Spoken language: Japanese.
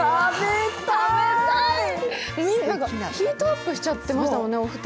ヒートアップしちゃってましたよね、お二人。